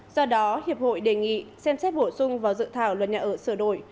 do đó hiệp hội đề nghị xem xét bổ sung và luật dự thảo luật nhà ở sửa đổi